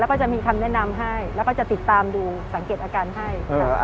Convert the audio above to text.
แล้วจะมีคำแนะนำให้จะติดตามสังเกตอาการให้